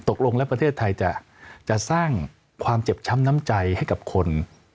ตกลงแล้วประเทศไทยจะสร้างความเจ็บช้ำน้ำใจให้กับคน